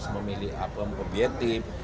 memilih apa yang objektif